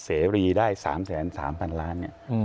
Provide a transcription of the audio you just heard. เสรีได้๓๓๓๐๐๐ล้าน